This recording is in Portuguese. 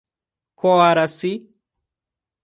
Coaraci